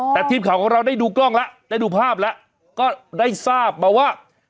แต่ทีมข่าวของเราได้ดูกล้องแล้วได้ดูภาพแล้วก็ได้ทราบมาว่า